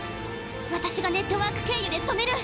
私がネットワーク経由で止める！